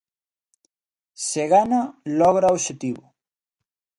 Se gana logra o obxectivo.